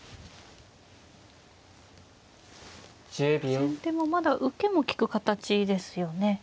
先手もまだ受けも利く形ですよね。